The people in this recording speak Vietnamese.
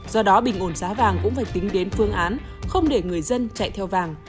do đó bình ổn giá vàng cũng phải tính đến phương án không để người dân chạy theo vàng